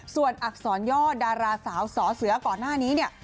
ส่วนอักษรย่อดาราสาวสอเสือก่อนหน้านี้เนี่ย